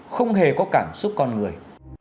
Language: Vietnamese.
không hề có cảm xúc con người